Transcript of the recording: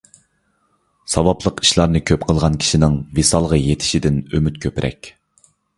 ساۋابلىق ئىشلارنى كۆپ قىلغان كىشىنىڭ ۋىسالغا يېتىشىدىن ئۈمىد كۆپرەك.